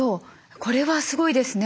これはすごいですね。